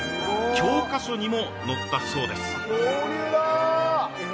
教科書にも載ったそうです。